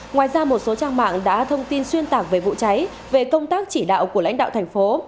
ngoài ra một số trang mạng đã thông tin xuyên tạc về vụ cháy về công tác chỉ đạo của lãnh đạo thành phố